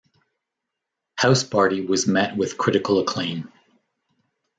"House Party" was met with critical acclaim.